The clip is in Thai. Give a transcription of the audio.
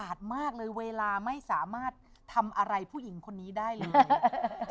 มากเลยเวลาไม่สามารถทำอะไรผู้หญิงคนนี้ได้เลย